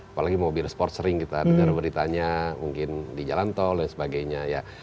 apalagi mobil sport sering kita dengar beritanya mungkin di jalan tol dan sebagainya ya